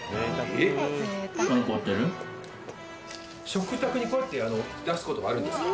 ・食卓にこうやって出すことがあるんですか？